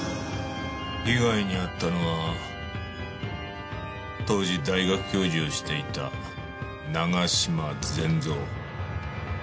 被害にあったのは当時大学教授をしていた永嶋善三。